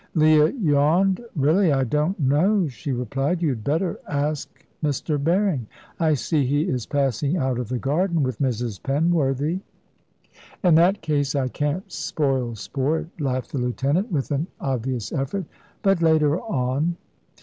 Leah yawned. "Really, I don't know," she replied; "you had better ask Mr. Berring. I see he is passing out of the garden with Mrs. Penworthy." "In that case I can't spoil sport," laughed the lieutenant, with an obvious effort; "but later on."